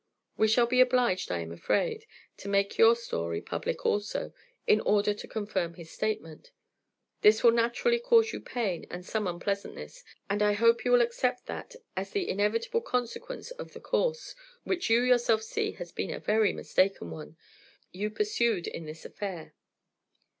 We shall be obliged, I am afraid, to make your story public also, in order to confirm his statement. This will naturally cause you much pain and some unpleasantness, and I hope you will accept that as the inevitable consequence of the course which you yourself see has been a very mistaken one you pursued in this affair."